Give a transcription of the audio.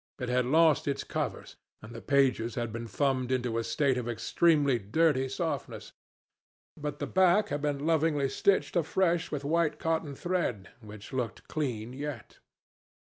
It had lost its covers, and the pages had been thumbed into a state of extremely dirty softness; but the back had been lovingly stitched afresh with white cotton thread, which looked clean yet.